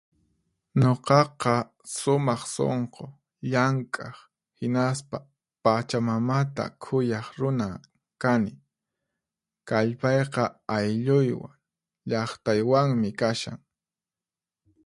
Nuqaqa sumaq sunqu, llank'aq, hinaspa pachamamata khuyaq runa kani. Kallpayqa aylluywan, llaqtaywanmi kashan.